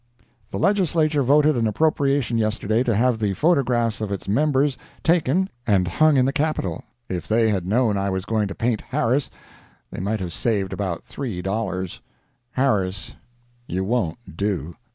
The Legislature voted an appropriation yesterday to have the photographs of its members taken and hung up in the Capitol. If they had known I was going to paint Harris, they might have saved about three dollars. Harris, you won't do.